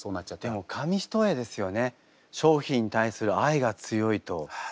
でも紙一重ですよね。